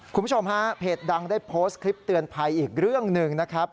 คุณผู้ชมฮะเพจดังได้โพสต์คลิปเตือนภัยอีกเรื่องหนึ่งนะครับ